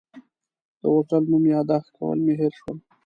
د هوټل نوم یاداښت کول مې هېر شول.